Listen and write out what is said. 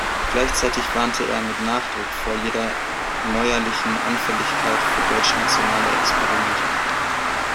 Gleichzeitig warnte er mit Nachdruck vor jeder neuerlichen Anfälligkeit für „deutschnationale Experimente“.